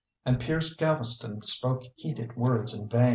And Piers Gaveston spoke heated words in vain.